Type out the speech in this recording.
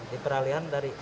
di peralian dari